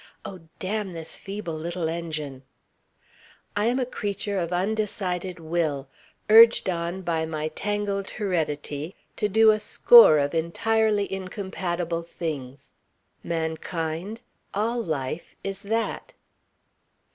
(Oh! Damn this feeble little engine!) I am a creature of undecided will, urged on by my tangled heredity to do a score of entirely incompatible things. Mankind, all life, is that."